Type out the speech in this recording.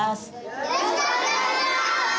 よろしくお願いします！